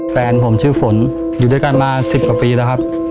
แฟนผมชื่อฝนอยู่ด้วยกันมา๑๐กว่าปีแล้วครับ